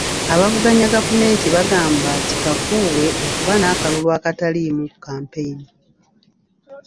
Abavuganya gavumenti bagamba kikafuuwe okuba n'akalulu akataliimu kampeyini.